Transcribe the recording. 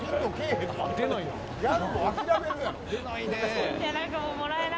出ないな。